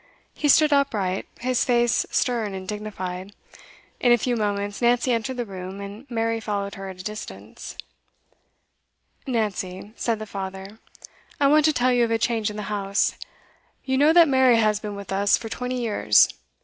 He stood upright, his face stern and dignified. In a few moments, Nancy entered the room, and Mary followed her at a distance. 'Nancy,' said the father, 'I want to tell you of a change in the house. You know that Mary has been with us for twenty years.